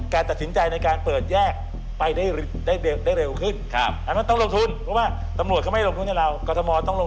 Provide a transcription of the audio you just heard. กฎมมีรถไฟฟ้าสีเดียวอยู่ไหนนั่นเอง